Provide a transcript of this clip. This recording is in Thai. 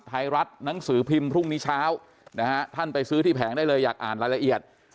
หนังสือพิมพ์พรุ่งนี้เช้านะฮะท่านไปซื้อที่แผงได้เลยอยากอ่านรายละเอียด